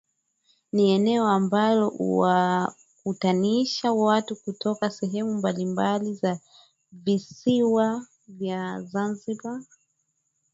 Ni eneo ambalo huwakutanisha watu kutokea sehemu mbalimbali za visiwa vya Zanzibar